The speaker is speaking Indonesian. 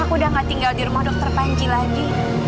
aku udah gak tinggal di rumah dokter panji lagi